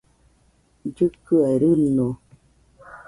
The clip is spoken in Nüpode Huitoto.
llɨkɨaɨ rɨño